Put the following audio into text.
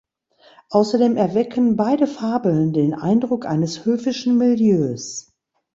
Außerdem erwecken beide Fabeln den Eindruck eines höfischen Milieus.